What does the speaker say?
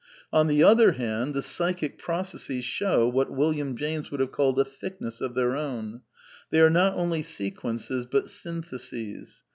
On the other hand, the psychic processes show what William James would have called a "thickness" of their own. They are not •*Y— enly sequences but syntheses.